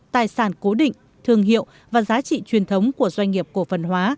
tài sản cố định thương hiệu và giá trị truyền thống của doanh nghiệp cổ phần hóa